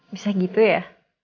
bisa gitu ya